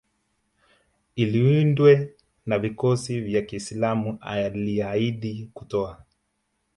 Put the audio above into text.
ilindwe na vikosi vya kiislam Aliahidi kutoa